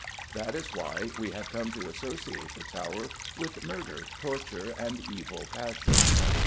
That is why we have come to associate the Tower with murder, torture, and evil passions.